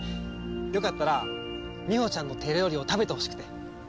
よかったらみほちゃんの手料理を食べてほしくて。